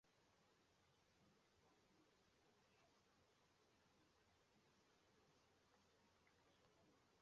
殿试登进士第二甲第三十九名。